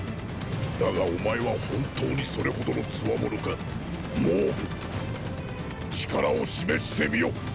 だがお前は本当にそれほどの強者か蒙武？力を示してみよーー